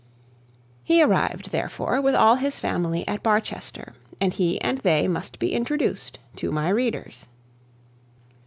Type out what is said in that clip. He arrived, therefore, with all his family at Barchester, and he and they must be introduced to my readers.